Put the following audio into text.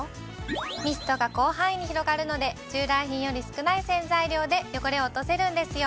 ミストが広範囲に広がるので従来品より少ない洗剤量で汚れを落とせるんですよ。